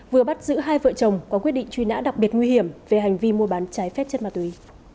vừa bắt giữ hai vợ chồng có quyết định truy nã đặc biệt nguy hiểm về hành vi mua bán trái phép chất ma túy